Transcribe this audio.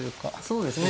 そうですね